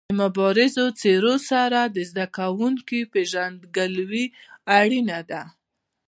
د مبارزو څېرو سره د زده کوونکو پيژندګلوي اړینه ده.